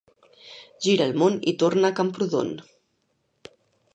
Gira el món i torna a Camprodon.